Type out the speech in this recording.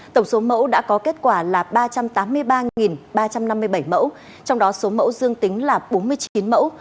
tổng số mẫu đã có kết quả là ba trăm tám mươi ba ba trăm năm mươi bảy mẫu trong đó số mẫu dương tính là bốn mươi chín mẫu